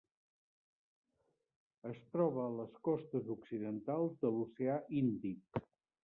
Es troba a les costes occidentals de l'Oceà Índic: